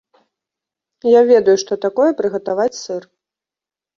Я ведаю, што такое прыгатаваць сыр.